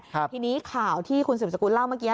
ทีนี้ข่าวที่คุณสืบสกุลเล่าเมื่อกี้